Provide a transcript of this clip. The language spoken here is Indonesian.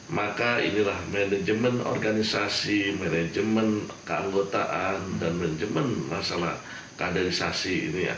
maka inilah manajemen organisasi manajemen keanggotaan dan manajemen masalah kaderisasi